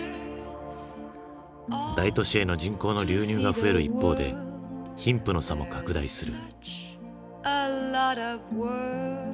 大都市への人口の流入が増える一方で貧富の差も拡大する。